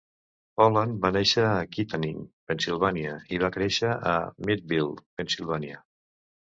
Holland va néixer a Kittanning, Pennsilvània i va créixer a Meadville, Pennsilvània.